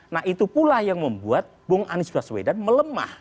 nah itu pula yang membuat bung anies baswedan melemah